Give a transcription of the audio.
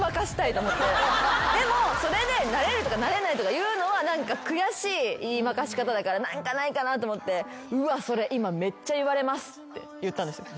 でもそれでなれるとかなれないとか言うのは何か悔しい言い負かし方だから何かないかなぁと思って「うわっそれ」って言ったんですよ。